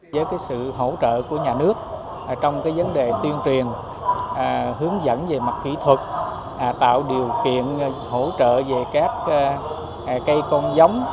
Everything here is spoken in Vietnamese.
với sự hỗ trợ của nhà nước trong vấn đề tuyên truyền hướng dẫn về mặt kỹ thuật tạo điều kiện hỗ trợ về các cây con giống